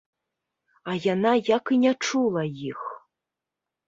А яна як і не чула іх.